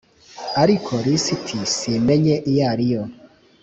ariko lisiti simenye iyariyo.